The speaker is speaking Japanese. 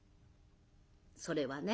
「それはね